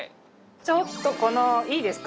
ちょっとこのいいですか？